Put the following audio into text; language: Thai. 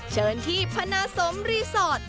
เชิญที่พนาสมรีสอร์ท